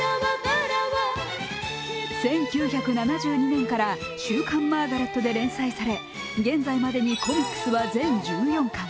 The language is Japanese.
１９７２年から週刊「マーガレット」で連載され現在までにコミックスは全１４巻。